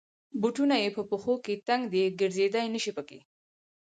بوټونه یې په پښو کې تنګ دی. ګرځېدای نشی پکې.